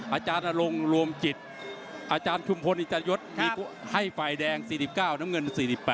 อาจารย์อรงค์รวมจิตอาจารย์ชุมพลอีจายศให้ฝ่ายแดง๔๙น้ำเงิน๔๘